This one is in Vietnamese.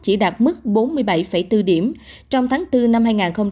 chỉ đạt mức bốn mươi bảy bốn điểm trong tháng bốn năm hai nghìn hai mươi